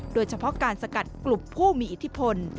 โดยเฉพาะการสกัดกลุ่มผู้มีอิทธิพล